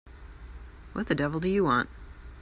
What the devil do you want?